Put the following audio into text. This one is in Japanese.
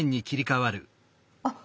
あっ！